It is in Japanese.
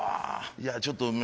いやちょっとおお！